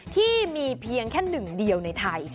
ที่มีเพียงแค่หนึ่งเดียวในไทย